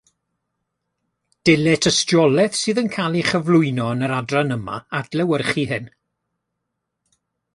Dylai tystiolaeth sydd yn cael ei chyflwyno yn yr adran yma adlewyrchu hyn